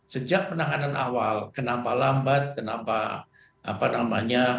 sejak penanganan awal kenapa lambat kenapa apa namanya